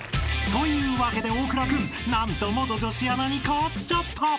［というわけで大倉君何と元女子アナに勝っちゃった］